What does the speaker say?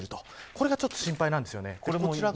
これがちょっと心配なんですよね。